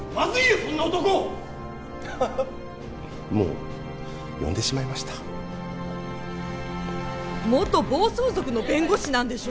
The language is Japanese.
そんな男もう呼んでしまいました元暴走族の弁護士なんでしょ？